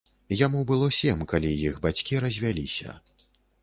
Яму было сем, калі іх бацькі развяліся.